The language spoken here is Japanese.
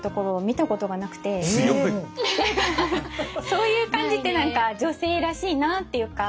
そういう感じってなんか女性らしいなっていうか。